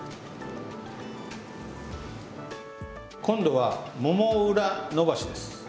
今度はもも裏伸ばしです。